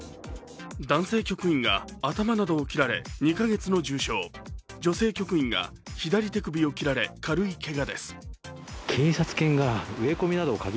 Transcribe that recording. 男性局員が頭などを切られ２か月の重傷、女性局員が左手首を切られ軽いけがです。